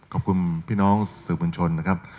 ขอบคุณพี่น้องสื่อมวลชนนะครับ